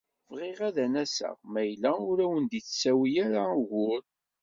Bɣiɣ ad n-aseɣ ma yella ur awen-d-yettawi ara ugur.